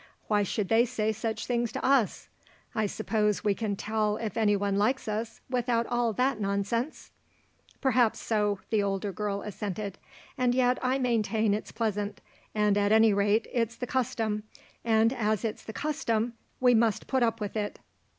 Why should they say such things to us? I suppose we can tell if anyone likes us without all that nonsense." "Perhaps so," the elder girl assented; "and yet I maintain it's pleasant, and at any rate it's the custom, and as it's the custom, we must put up with it.